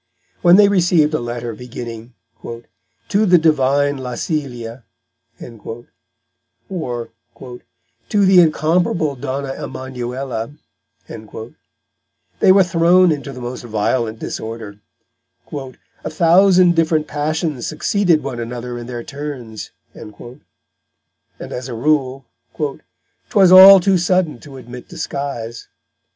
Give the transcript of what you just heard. When they received a letter beginning "To the divine Lassellia," or "To the incomparable Donna Emanuella," they were thrown into the most violent disorder; "a thousand different Passions succeeded one another in their turns," and as a rule "'twas all too sudden to admit disguise."